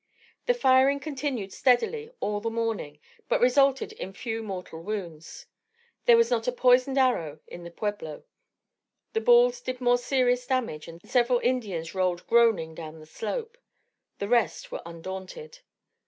The firing continued steadily all the morning, but resulted in few mortal wounds. There was not a poisoned arrow in the pueblo. The balls did more serious damage, and several Indians rolled groaning down the slope. The rest were undaunted.